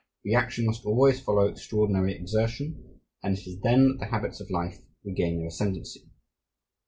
Reaction must always follow extraordinary exertion, and it is then that the habits of life regain their ascendency.